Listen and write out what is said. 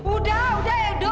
udah udah edo ini cukup